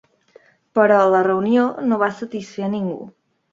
Però la reunió no va satisfer a ningú.